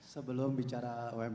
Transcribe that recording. sebelum bicara umkm